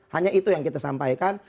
hanya itu yang kita sampaikan